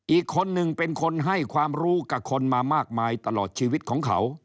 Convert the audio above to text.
อีกคนหนึ่งเป็นคนให้ความรู้กับคนมามากมายตลอดชีวิตของเขา